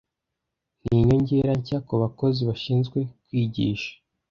Ni inyongera nshya kubakozi bashinzwe kwigisha.